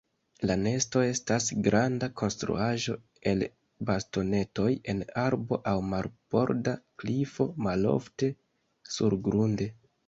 La nesto estas granda konstruaĵo el bastonetoj en arbo aŭ marborda klifo; malofte surgrunde.